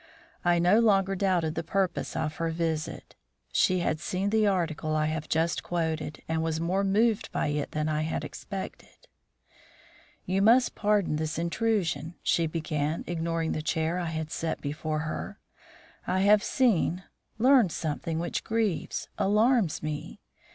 I no longer doubted the purpose of her visit. She had seen the article I have just quoted, and was more moved by it than I had expected. "You must pardon this intrusion," she began, ignoring the chair I had set for her. "I have seen learned something which grieves alarms me.